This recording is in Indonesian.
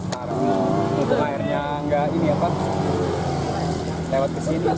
karena airnya nggak lewat ke sini